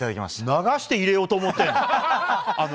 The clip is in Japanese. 流して入れようと思ってるの？